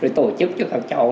rồi tổ chức cho các cháu